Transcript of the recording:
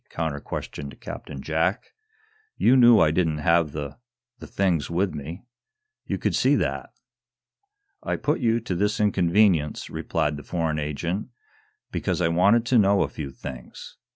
counter questioned Captain Jack. "You knew I didn't have the the things with me. You could see that." "I put you to this inconvenience," replied the foreign agent, "because I wanted to know a few things.